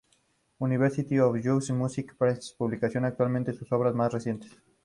University of York Music Press, publica actualmente sus obras más recientes.